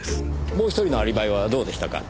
もう１人のアリバイはどうでしたか？